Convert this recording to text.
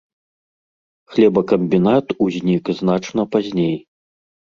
Хлебакамбінат узнік значна пазней.